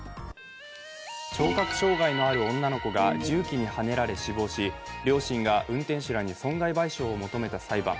聴覚障害のある女の子が重機にはねられ、両親が運転手らに損害賠償を求めた裁判。